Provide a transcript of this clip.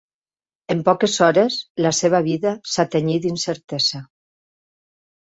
En poques hores la seva vida s'ha tenyit d'incertesa.